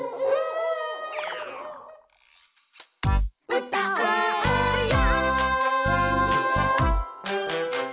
「うたおうよ」